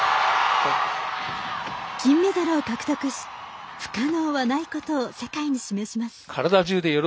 金メダルを獲得し不可能はないことを世界に示します。